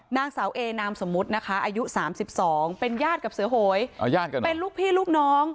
นางสาวเอนามสมมุตินะคะอายุ๓๒เป็นญาติกับเสือโหยเป็นลูกพี่ลูกน้อง